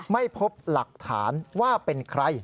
ไม่พบหลักฐานว่าเป็นใคร